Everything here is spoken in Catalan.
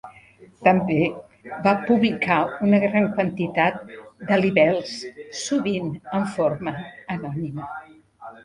També va publicar una gran quantitat de libels, sovint en forma anònima.